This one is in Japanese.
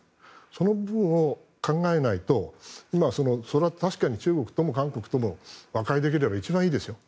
その部分を考えないとそれは確かに中国とも韓国とも和解できれば一番いいんですよ。